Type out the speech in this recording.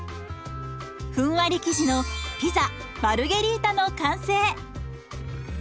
ふんわり生地のピザ・マルゲリータの完成。